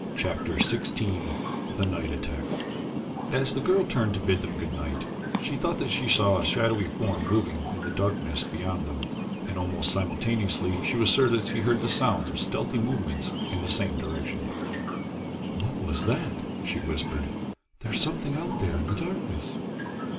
Chapter XVI The Night Attack As the girl turned to bid them good night, she thought that she saw a shadowy form moving in the darkness beyond them, and almost simultaneously she was sure that she heard the sounds of stealthy movement in the same direction. "What is that?" she whispered. "There is something out there in the darkness."